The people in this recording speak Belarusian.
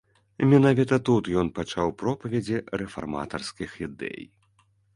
Менавіта тут ён пачаў пропаведзі рэфарматарскіх ідэй.